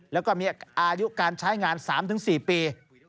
แล้วก็มีอายุการใช้งาน๓๔ปี